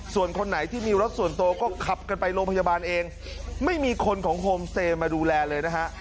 ส่วนคนไหนที่มีรถส่วนตัวก็ขับกันไปโรงพยาบาลเองไม่มีคนของโฮมเซมาดูแลเลยนะฮะ